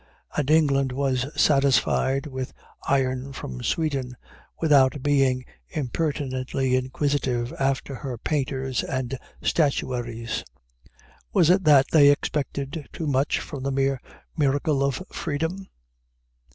and England was satisfied with iron from Sweden without being impertinently inquisitive after her painters and statuaries. Was it that they expected too much from the mere miracle of Freedom?